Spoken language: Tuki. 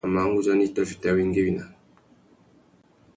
Iya a mà nʼgudzana i tà fiti awéngüéwina.